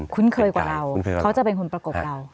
คุ้นเคยกว่าเราเขาจะเป็นคนประกบเรา